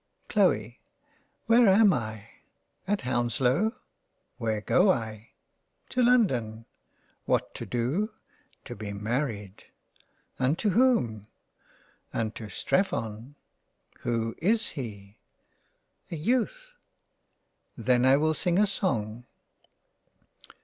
Chloe) Where am I ? At Hounslow. — Where go I ? To London —. What to do ? To be married —. Unto whom ? Unto Strephon. Who is he ? A Youth. Then I will sing a song.